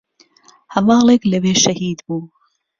هەڤاڵێک لەوێ شەهید بوو